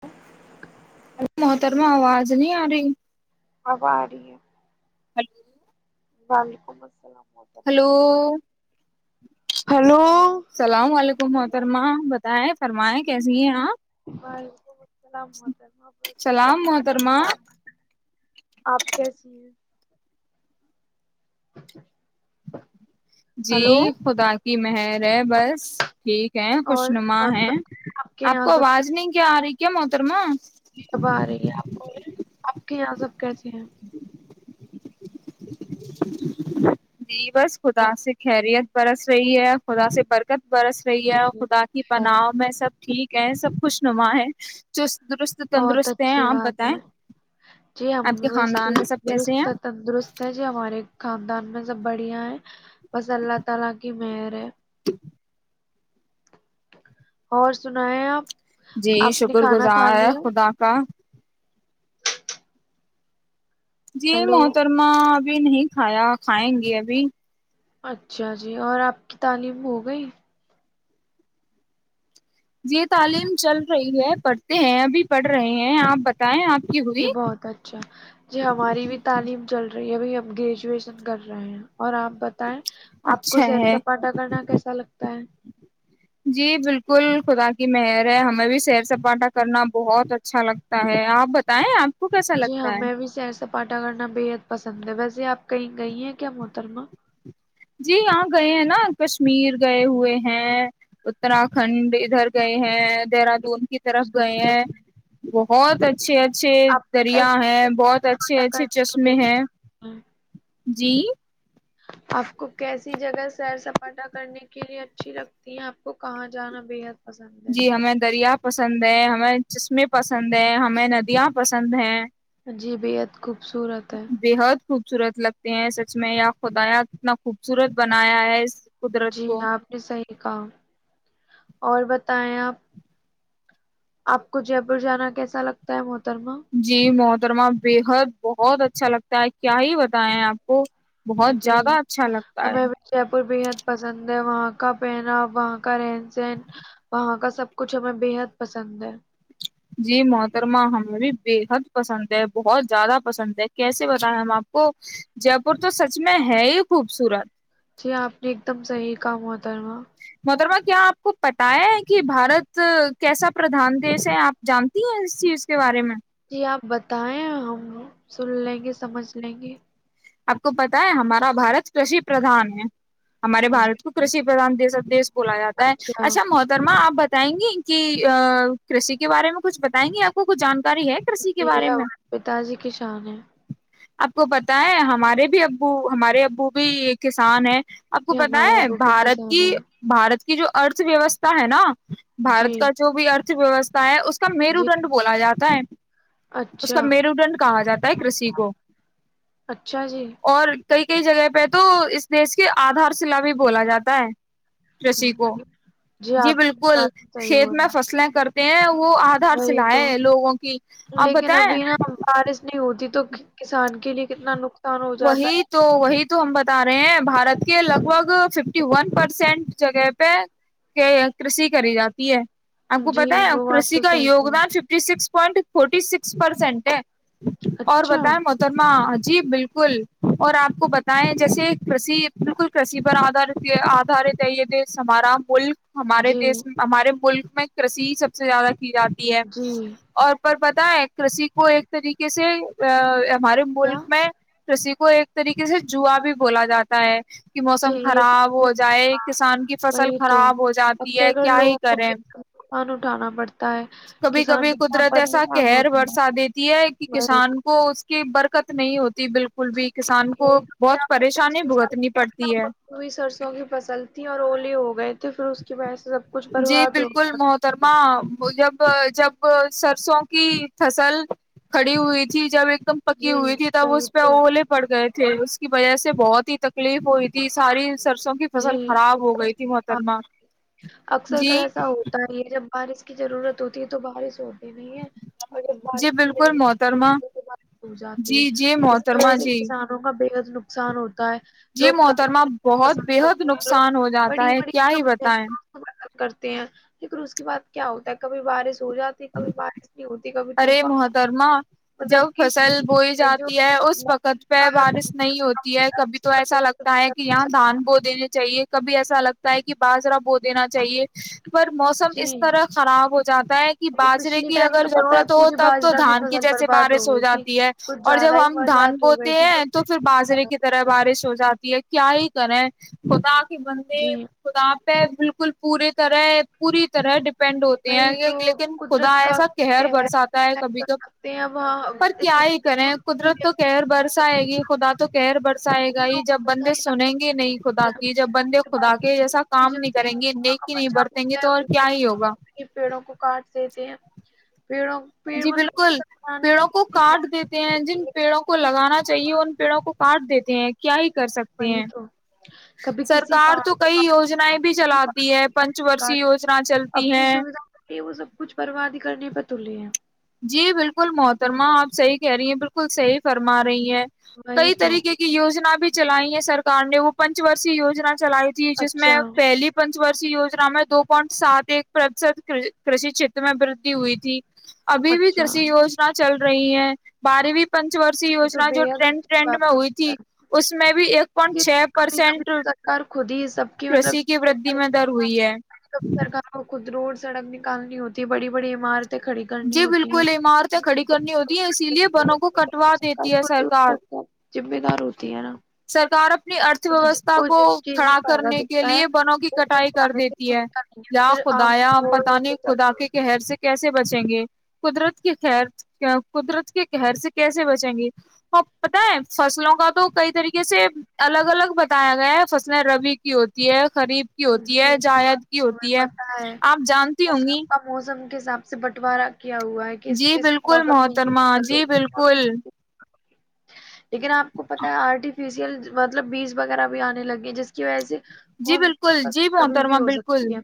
ہ [inaudible] ا محترما آواز نہیں آ رہی [unintelligible] اب آ رہ ہے [inaudible] ہلو [inaudible] وعلیکم السلام [inaudible] ہلو ہلو السلام علیکم محترما [inaudible] بتیں فرمائیں کیسی ہیں آپ [unintelligible] وعلیکم السلام محتمہ بس سلام بت گی میں محترمہ آپ کیسی ہیں [inaudible] جی ہلو خدا [unintelligible] کہ محر [inaudible] بس ٹھیک ہے خوش اور نما اور ہیں بتائیں، کے آپ کو آواز نہیں کیا آ رہی [unintelligible] کیاماترما [unintelligible] جی اب آ رہی ہے آپ ب آپ کے یہاں سب کیسے ہیں [inaudible] [inaudible] جی بس خدا سے خیریت [unintelligible] برس رہی ہے خدا سے برف [unintelligible] ت برس رہی ہے اور جی خدا کی پناہ میں سب ٹھیک [inaudible] کہ سب خوش نما ہے جو [unintelligible] بہت اچھی بات ہے جی ہم آپ کے بس خاندان میں چست سب کیسے ہیں درست ہے تندرست جی ہمارے خاندان میں سب بڑھیا ہے بس اللہ تعالی کی مہر ہے اور سنا ہے آپ جی آپ نے شکر کھانا کھا گزار لیا خدا کا جی ہلو مترا ا بھی نہیں کھایا کھائیں گے ابھی [inaudible] اچھا جی اور آپ کی تعلیم ہو گئی یہ تعلیم چل رہی ہے پڑھتے ہیں ابھی پڑھ رہے ہیں آپ بتائیں آپ کی ہوئی جی بہت اچھا جی ہماری بھی تعلیم چل رہی ہے بھائی ہم گریجویشن کر رہے ہیں اور آپ بت آپ کو اچھا سیر ہے سپاٹا کرنا کیسا لگتا ہے جی بالکل خدا کی مہر ہے ہمیں بھی سیر سپاٹا کرنا بہت اچھا لگتا ہے آپ بتائیں آپ آ کو کیسا لگتا ہے سے پاٹا کرنا بے ححد پسند ہے ویسے آپ کہیں گئی ہیں کیا محترما جی یہاں گئے ہیں نا کشمیر گئے ہوئے ہیں اتراک کھنڈ ادھر گئے ہیں دہرادون کی طرف گئے ہیں وہ اور [unintelligible] اچھے اچھے آپ دریا کیسے ہیں بہت اچھے سپاٹا اچھے کرنے کے چشمے ہیں لیے [unintelligible] جی [unintelligible] آپ کو کیسی جگہ سیر سپاٹا کرنے کے لیئے اچھی لگتی ہیں آپ کو کہاں جانا بے حد [unintelligible] جی ہمیں دریا پسند ہے ہمیں [unintelligible] چسمیں پسند ہے ہمیں ندیاں پسند ہیں [unintelligible] جی بےحد خوبصورت ہے بےحد خوبصورت لگتے ہیں سچ میں خدایا اتنا خوبصورت بنایا ہے قدرت جی کو آپ نے صحیح کہا اور بتائیں آپ آپ کو جے پور جانا کیسا لگتا ہے م جی محترما بےحد بہت اچھا لگتا ہے کیا ہی بتائے ہیں آپ کو بہت جی زیادہ اچھا لگتا ہم ہے ہمیں جے پور بےحد پسند ہے وہاں وہاں کا پہنا وہاں کا رہن سہن وہاں کا سب کچھ ہمیں بےحد پسند ہے جی محترما ہمیں بھی بےحد پسند ہے بہت زیادہ پسند ہے کیسے بتائیں ہم آپ کو جے پور تو سچ میں ہے ہی خوبصورت جی آپ نے ایک دم صحیح کام ہوتا ہے وہاں مکربا کیا آپ کو پتایا ہے کہ بھارت کیسا پردھان دیش ہے آپ جانتی ہیں اس چیز کے بارے میں جی آپ بتائیں ہم سن لیں گے سمجھ لیں گے آپ کو پتا ہے ہمارا بھارت کشی پردان ہے ہمارے بارت جی کو کشی پردان دیش [unintelligible] بولا جاتا ہے اچھا محترما آپ بیں گے کی کی کے بارے میں کچھ بتائیں گے آپ کو کچھ جان جی ہمواں پہ تازی ک شان ہے آپ کو پتا ہے ہاں ہمارے بھی ابو ہمارے ابو بھی ایک کسان ہیں آپ کو جی پت ہمارے ہے ابو بھی بھارت شان کی ہے بھارت کی جو ارت ویوستھا ہے نا جی بارت کا جو بھی ویوستھا ہے اس اس کا میرو جی دنڈ بولا جاتا ہے اس کا اچھا میرو دنڈ کہا جاتا ہے کرسیی کو اچھا جی اور کئی کئی جگہ پہ تو اس دیش کی آدھار شلا بھی بولا جاتا ہے رش کو جی جی آپ کی بالکل بات تو صحیح کھیت میں بولا فصلیں کر پ وہ آدھار وہی تو چلائے لوگوں کی آپ لیکن بتائیں ابھی نا بارش نہیں ہوتی تو کسان کے لیے کتنا نقصان ہو جاتا وہی تو وہی تو ہم بتا رہے ہیں بارت کے لگ بھگ ففٹی ون پرسینٹ جگہ پہ کرشی کری جاتی ہے آپ ہے کو جی پتا ہے وہ بات کرشی تو کا صحیح یوگدان کہی fifty six point fifty six percent ہے اور اچھا بتائیں محترما جی بالکل بالکل اور آپ کو بتائیں جیسے کری بالکل کری پر آدارت آدھارت ہے یہ دیش ہمارا ملک ہمارے جی دیس ہمارے ملک میں کرسی سب سے زیادہ جاتی ہے جی اور پر بدیں کری کو ایک طریقے سے ہمارے کیا ملک میں رسی کو ایک طریقے سے جوا بھی بولا جاتا ہے کہ جی موسم یہ خراب ہو جائے کسان کی فصل وہی تو خراب ہو جاتی ہے اکثر کر کیا ہی لوگوں کو کریں بے نقصان اٹھانا پڑتا ہے کبھی کسان کبھی کتنا قدرت ایسا پریشان کہہر ہوتا ہے برسا دیتی ہے کہ کسان کو کہ برکت نہیں ہوتی بالکل بھی کسان پ کو نے بہت پریشانی پچھلے سال بھگتنی پڑتی ہے پو بھی سرسوں کی فصل تھی اور اولی ہو گئے پھر اس کے بعس [inaudible] جی بالکل محترما جب [unintelligible] جب سرسوں کی فصل کھڑی ہوئی تھی جب ایک [unintelligible] دم پکی جی ہوئی تھی تب وہی اس پہ تو اوولے پڑ گئے تھے [unintelligible] تھے اس کی وجہ سے بہت ہی تکلیف ہوئی تھی ساری [unintelligible] سرسوں کی جی فصل خراب ایک ہو دم گئی تھی صحیح کہا محترما [unintelligible] اکثر کا ایسا ہوتا ہے یہ جب [unintelligible] بارش کی ضرورت ہوتی ہے تو بارش ہو [unintelligible] نہیں ہے اور جب بارش جی کی بالکل ضورت محترما تو ب ہو جاتی ہے جی جی اس کی وجہ محترما سے جی کسانوں کا ب [inaudible] نقصان ہو [inaudible] جی محترما بہت [unintelligible] بےحد کرتے ہیں لوگ نقصان ہو جاتا بڑی ہے بڑی کیا ہی رقم بتائیں دینا [unintelligible] پسند کرتے ہیں لیکن اس کے بعد کیا ہوتا ہے کبھی بارش [unintelligible] سو جاتی کبھی بارش نہیں ہوتی [unintelligible] ارے طوفان محترما مطلب جب کہ فصل بوئی جو جاتی ہے اس موسم وقت کا پہ بارش نہیں ہوتی ہے ہوتا کبھی اس تو کی وجہ ایسا لگتا ہے کہ یہاں سے۔ دھان بو دنے [unintelligible] چاہیے کبھی ایسا لگتا ہے کہ باازرا بہت [unintelligible] دینا چاہیے پر موسم اس جی طرح خراب ہو جاتا ہے کہ ابھی باجرے پچھلی کی ٹائم اگر پتہ ہے ضرورت [unintelligible] تو پوری تب تو باجرہ دھان کی فصل جیسے برباد بارش ہو گئی تھی جاتی ہے کچھ اور جب زیادہ ہی ہم دھان برسات ہو گئی بوتے تھی ہیں تو پھر باازرے کی طرح بارش ہو جاتی ہے [unintelligible] کیا ہی کریں ختا [unintelligible] کہ بند جی خدپ [inaudible] بالکل پوری طرح پوری طرح ینڈ ہوتے ہیں وہی یہ تو لیکن خدا قدرت کا ایسا کہہر بڑ کہر آتا ہے کبھی کر تو سکتے ہیں وہاں پر کیا ہی کریں قدرت تو کہر برسائے گی خدا تو کہہر برساائے گا ہی جب بندے سنیں گے نہیں خدا کی جب بندے خدا کے جیسا کام نہیں کریں گے نیکی نہیں برتیں گے تو اور کیا ہی ہوگا یہ پیڑوں کو کاٹ دیتے ہیں [inaudible] پیڑ جی مطلب بالکل سب بنانے میں پیڑوں کو کتنے کاٹ دیتے ہیں جن پیڑوں کو لگانا چاہیے ان پیڑوں کو پارٹ دیتے ہیں کیا کر سکتے وہی ہیں تو کبھی کسی سرکار تو کئی یوجناائیں بھی چلاتی ہے پنچ وورشی کارڈ یوجنا چلتی اپنی ہے سویدھا تولیے [inaudible] جی بالکل محترما آپ صحی کہہ رہی ہیں بالکل صحیح فرما رہی ہیں وہی کئی تو طریق کی وجنا بھی چلائی ہے سرار نے وہ پنچ ورشی وجنا کے [inaudible] چلائی تھی جس میں اچھا پہلی پنچ وورش [unintelligible] وجنا میں دو پوائنٹ سات ایک پرتیشت کرشی چھیت میں ودھی ہوئی تھی ابھی بھی اچھا کی وجنا چل رہی [unintelligible] رہی ہیں بارے بھی پنچ وشی یہ تو وجنا بے جو حد ٹرینڈ اچھی ٹنڈ میں بات ہے ہوئی تھی مطلب۔ اس میں بھی ایک پوائنٹ چھ پرسینٹ خودی [inaudible] کشی کی وددی میں در ہوئی ہے کبھی کبھی [unintelligible] سرکار کو خود روڈ سڑک نکالنی ہوتی ہے بڑی بڑی عمارت جی بالکل عمارتیں کھڑی کرنی ہوتی ہیں اسی کبھی لیے بنوں کو کٹوا دیتے کی ہے سرکار جمے دار ہو سرکار اپنی ارتھ ویوستھا کو جس چیز میں کھڑا فائدہ کرنے کے دکھتا ہے لیے بنوں کی وہ اسے کٹائی کر اٹھانے سے دیتی ہے رکتا نہیں ہے یا پھر آم خدایا ہم ہو پت یا نہیں کوئی خدا کے ترکاری کہہر سے کیسے بچیں گے قدرت کے خر قدرت کے قہر سے کیسے بچیں گے اور پت ہے فصلوں کا تو کئی طریقے سے الگ الگ بتایا گیا ہے فصلیں ربی کی ہوتی ہے قریب کی ہوتی جی ہے یہ بات جائید کی تو ہوتی ہمیں ہے پتہ آپ جانتی ہوں فصلوں گی کا موسم حساب سے بٹوارہ کیا ہوا ہے کس جی اس بالکل موسم میںگ محترما جی بالکل [unintelligible] [inaudible] لیکن آپ کو پتا ہے آرٹیفیشیل مطلب بیج وغیرہ بھی آنے لگے جس کی وجہ سے جی کون بالکل سی ل فصل جی کبھی بھی محترما ہو بالکل سکتی ہے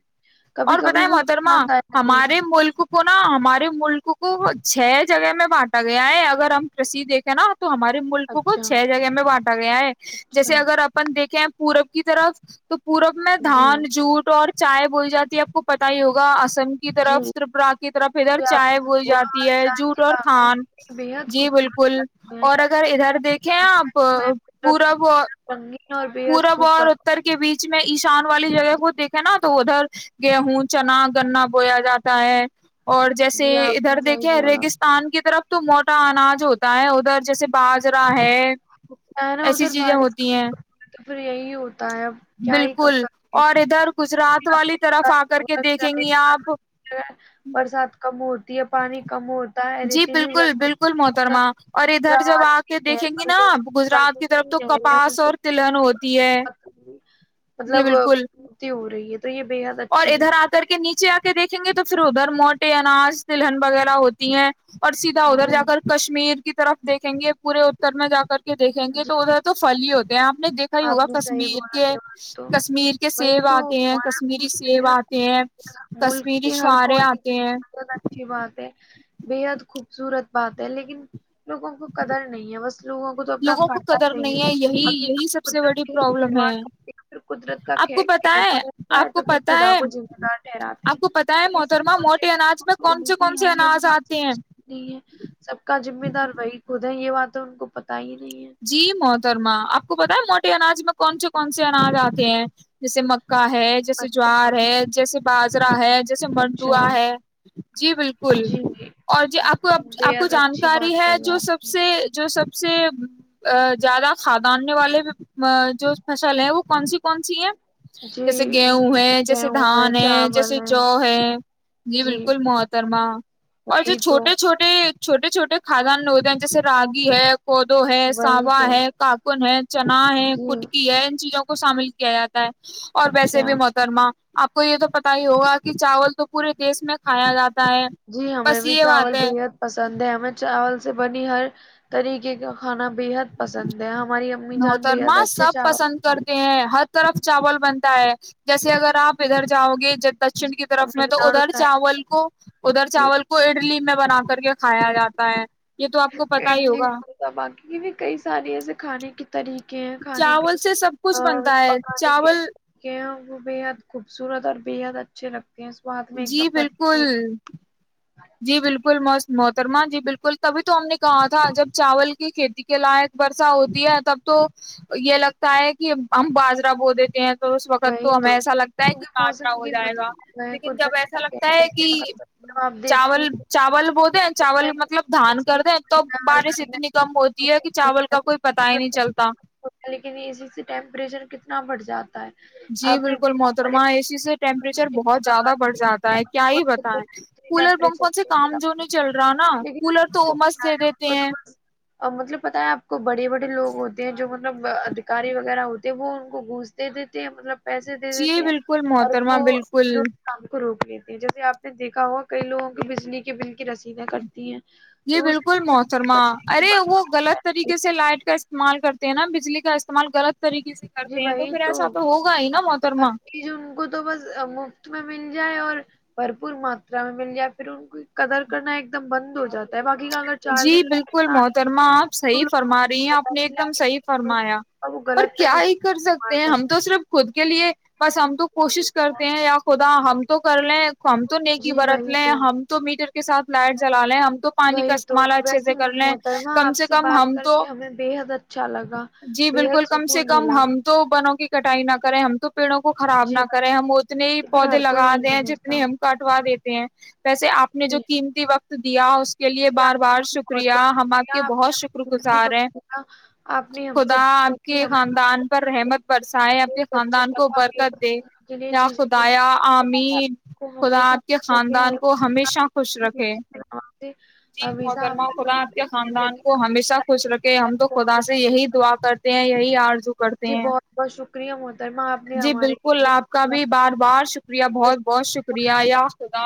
کبھی اور کبھی بتائیں وہ محترما نقصان دایک بھی ہمارے ہے ملک کو نا ہمارے ملک کو چھ جگہ میں بانٹا گیا ہے اگر ہم کی دیکھیں نا تو ہمارے ملکوں کو اچھا چھ جگہ میں بانٹا گیا ہے جیسے اچھا اگر اپن دیکھ کیا پورب کی طرف [unintelligible] پورب میں جی دھان جووٹ اور [unintelligible] چائے بولی جاتی ہے آپ کو پتا ہی ہوگا [unintelligible] م کی جی طرف ترپا کی طرف ادھر یہ آپ نے چائے بول بولا جاتی اور ہے چائے جوٹ کے اور باغ تھان بےحد جی خوبصورت بالکل لگتے اور ہیں اگر ادھر دیکھیں خدا نے آپ سچ میں قدرت پورا کو وہ بے [inaudible] حد رنگین اور بےحد پورب خوب اور بنایا اتر ہے کے بیچ میں ایشان والی جگہ کو دیکھے نا [unintelligible] تو ادھر گیہوں چنا گنا بویا جاتا ہے [unintelligible] اور جیسے جی آپ ادھر نے صحیح دیکھے بولا ریگستان کی طرف [unintelligible] تو موٹا اناج ہوتا ہے ادھر جیسے باجرا ہے [unintelligible] کیا ہے نا ایسی ادھر چیزیں بارش کا ہوتی ہیں [unintelligible] موسم ہے پھر یہی ہو [unintelligible] ہو اب کیا ہی کر بالکل سکتے اور ہیں ادھر گجرات آپ والی طرف آ کر کو کے دیکھیں گی آپ چیس برسات کا م [unintelligible] تی یہ پانی کمو [unintelligible] جی بالکل بالکل محترما اور ادھر جب آ حیدرآباد کے کی نہر دیکھیں گی پر نا [unintelligible] جو نا باقی گجرات کی طرف بھی تو نہریں ہیں ان کپاس اور سے تلن ہوتی ہے بہت جی مطلب بالکل [unintelligible] پورتی ہو رہی ہے تو یہ بے حد اور اچھی ادھر آ بات کر کے نیچے آ کے [unintelligible] کے دیکھیں گے تو پھر ادھر موٹے اناج تلہن وغیرہ ہوتی ہیں [unintelligible] اور سیدھا ہے ادھر جی جا کر کشمیر [unintelligible] کی طرف دیکھیں گے پورے اتر میں جا کر [unintelligible] دیکھیں گے جی تو ادھر تو پھل ہی ہوتے ہیں آپ نے دیکھا ہی آپ ہوگا نے صحیح کشمیر بولا کے دیوان تو کشمیر کے وہی سیب تو آتے ہیں ہمارا کشمیری ملک سیب بےحد آتے ہیں نیک ملک کشمیری کے ہر چوارے کونے کی آتے ہیں بہت [unintelligible] اچھی بات ہے بےحد خوبصورت بات ہے لیکن [unintelligible] لوگوں کو قدر نہیں ہے بس لوگوں کو تو اپنا لوگوں کو [unintelligible] قدر نہیں ہے یہی اپنی یہی سب سے قدرت بڑی کے ساتھ پروابلم ہے کھلواڑ کرتے ہیں پھر قدرت کا آپ کو قید پتا قید ہے بنتا ہے آپ کو تو پھر پتا خدا ہے کو ذمہ دار ٹھہراتے ہیں آپ کو پتا ہے لیکن سب محترما کچھ موٹے اناج میں کون ان سے کی کون سے ہے یہ اناج بات آتے ہیں سمجھتے [inaudible] سب کا ذمہ دار بھائی [unintelligible] خود ہے یہ بات تو ہم کو پتا ہی نہیں ہے [unintelligible] جی محترما آپ کو پتا ہے موٹے اناج میں کون سے کون سے اناج آتے ہیں جیسے [unintelligible] کا ہے جیسے جوار اچھا ہے جیسے [unintelligible] بازرا ہے [unintelligible] جیسے منڈوا اچھا ہے جی بالکل جی اور جی آپ کو آپ کو بےحد اچھی بات جانکاری ہے کہی جو سب آپ نے سے جو سب سے [unintelligible] سے [unintelligible] ا زیادہ کھاد آنے والے جو فصل ہے وہ کون سی کون سی ہے جی [unintelligible] جیسے گیہوں ہے جیسے دھان ہے جیسے جوو ہے جی بالکل محترما اور جو وہی تو چھوٹے چھوٹے [unintelligible] چھوٹے چھوٹے خادان ہوتے ہیں جیسے رگی ہے پودو ہے وہی ساوا تو ہے ککن ہے چنا ہے جی کٹکی ہے ان چیزوں کو [unintelligible] شامل کیا جاتا [unintelligible] اور ویسے اچھا بھی محترمہ [unintelligible] آپ کو یہ تو پتا ہی ہوگا کہ چاول تو پورے دیش میں کھایا جاتا [unintelligible] جی ہمیں بس بھی یہ چاول بات ہے بےحد پسند ہے ہمیں چاول [unintelligible] سے بنی ہر طریقے کا کھانا بےحد پسند ہے ہم [unintelligible] نوترماں سب پسند کرتے ہیں ہ [unintelligible] طرف چاول بنتا ہے جیسے اگر آپ ادھر جاؤ گے [unintelligible] دکچن ہیں۔ کی طرف تمل میں تو ناڈو ادھر سائڈ چاول کو ادھر جی چاول کو اڈلی [unintelligible] میں بنا کر کے کھایا جاتا ہے [unintelligible] [unintelligible] کو پتا ہی اڈلی ہوگا باقی کی بھی کئی ساری ایسے کھانے [unintelligible] [unintelligible] طریقے ہیں کھانے کے چاول سے سب کچھ بنتا ہے پکانے کے چاول طریقے ہیں [unintelligible] [unintelligible] ب خو [unintelligible] [unintelligible] سور اور بے حد اچھے لگ [unintelligible] [unintelligible] جی بالکل [unintelligible] جی بالکل م محترما جی بالکل تبھی تو ہم نے کہا تھا جب چاول کی کھیتی کے لائق برسا ہوتی ہے تب تو یہ لگتا ہے کہ ہم باجرا بو دیتے ہیں [unintelligible] تو اس وقت وہی تو ہمیں ایسا لگتا ہے کہ کیونکہ کاچرا موسم ہو کی جائے گا بدلاؤ ہے یکن جب قدرت ایسا کا لگتا کہر ہے کہ کیا کر سکتے ہو آپ [unintelligible] دیکھتی چاول چاول بول دیں چاول ہیں مطلب دھان اس کر کی دیں توب دنیا ہر بارش گھر میں اتنی کم ہوتی ہے کہ چاول کا کوئی پتا ہی نہیں چلتا ہوتا ہے، اسی سے ٹیمپریچر کتنا بڑھ جاتا ہے [unintelligible] جی آپ نے بالکل دیکھا بڑے محترمہ اے سی سے ٹیمپریچر بہت زیادہ بڑھ جاتا ہے کیا ہی پت ہے کولر پنکھوں سے کام جو نہیں ٹیمپریچر چل رہا نا لیکن کولر تو ان ا کو مس کیا دے ہے ان دیتے کو تو ہیں بس مطلب پتاہ ہے آپ کو بڑے بڑے لوگ ہوتے ہیں جو مطلب ادیکاری وغیرہ ہوتے ہیں وہ ان کو گونجتے تھے مطلب پیسے دے جی دیتی ہیں بالکل اور محترما وہ بالکل کام کو روک [unintelligible] لیتے ہیں جیسے آپ نے دیکھا ہوا کئی لوگوں کی بجلی کے بل کی رسیدیں کرتی ہیں [unintelligible] یہ تو وہ صرف بالکل اسے یہ محترمہ کرتے ہیں کہ ارے بڑے وہ لوگوں کو غلط پیسے طریقے دے۔ سے لائٹ کا استعمال کرتے ہیں نا بجلی کا استعمال غلط طریقے سے جی کرتے ہیں بھائی پھر تو ایسا ہوگا ہی نا محترما چ ان کو تو بس مفت میں جائے اور بھرپور ماترا میں مل جائے پھر ان کی قدر کرنا ایک دم بند ہو جاتا ہے باقی [unintelligible] چار دن جی بالکل محترما آپ تو صحیح لوگوں فرما رہی ہیں کو پتہ آپ نے ایک چلا دم کہ صحیح فرمایا اور وہ پر غلط کیا طریقے ایک کر سے سکتے استعمال ہیں ہم کرتے تو صرف خود [unintelligible] خود کے لیے [unintelligible] بس ہم تو کوشش کرتے ہیں یا خدا ہم تو کر لیں ہم تو نیکی جی برت وہی لیں ہم تو میٹر [unintelligible] کے ساتھ لائٹ جلا لے ہم تو پانی کا وہی تو [unintelligible] ا اچھے سے ویسے کر لیں محترمہ کم آپ سے کم بات ہم کر تو کے ہمیں بےحد اچھا لگا جی بالکل بےحد کم سے سکون کم ملا ہم تو بنوں کی کٹائی نہ کریں ہم [unintelligible] پیڑوں کو خراب جی نہ کریں لیکن ہم اتنے ہی پودے ہر کوئی لگا نہیں دیں ہیں سمجھتا جتنی ہم کٹوا دیتے [unintelligible] پ [unintelligible] ویسے آپ نے جو جی قیمتی وقت [unintelligible] دیا [unintelligible] اس کے لیے جی بار آپ [unintelligible] کا بہت شکریہ بہت ہم آپ شکریہ کے بہت نے شکر ہمیں قیمتی گزار وقت ہیں دیا آپ نے ہم سے خدا باتیں آپ کے کی خاندان پر ہمیں رحمت برسائے آپ کے بہت اچھا خاندان کو لگا بےحد برکت دے سیکھنے کے لیے یا چیزیں خدا ملی خدا آپ آمین کو خدا ہمیشہ آپ کے خوش رکھے خاندان کو ہمیشہ خوش رکھے [unintelligible] ج [unintelligible] ج محترمہ خدا آ کے خاندان کو آپ ہمیشہ کی پڑھائی خوش پر رکھے اللہ ہم آپ تو کو خدا سے ہمیشہ خوش یہی دعا رکھے کرتے ہیں یہی آ [unintelligible] کرتے جی ہیں بہت بہت شکریہ محترمہ آپ نے جی ہمارے بالکل لیے آپ کا دعا بھی کی۔ بار بار شکریہ بہت بہت اللہ شکریہ حافظ۔ یا خدا [unintelligible]